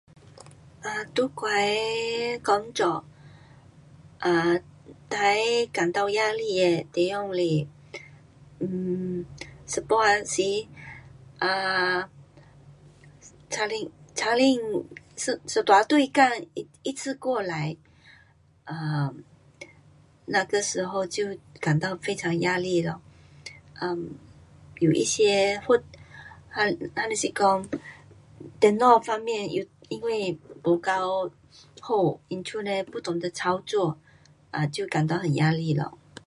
[um]在我的工作，[um]最感到压力的地方是[um]一半天时[um]突然，突然一，一大堆工，一次过来，[um]那个时候就感到非常压力咯。[um]有一些或，或者是说电脑方面，因为没够好，因此呢不懂得操作[um]就感到很压力咯。